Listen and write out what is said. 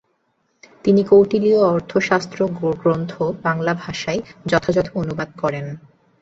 তিনি ‘কৌটিলীয় অর্থশাস্ত্র' গ্রন্থ বাংলা ভাষায় যথাযথ অনুবাদ করেন।